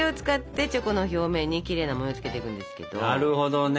なるほどね。